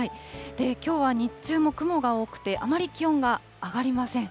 きょうは日中も雲が多くて、あまり気温が上がりません。